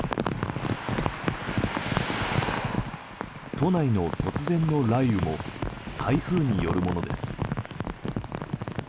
都内の突然の雷雨も台風によるものです。